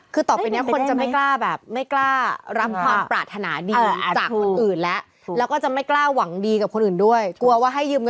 คือต่อไปนี้คนจะไม่กล้าแบบไม่กล้ารำความปราธนาดีจากคนอื่นแล้ว